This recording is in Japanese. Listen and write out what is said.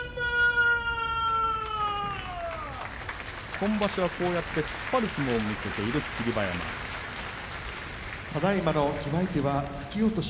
今場所はこうやって突っ張る相撲を見せている霧馬山です。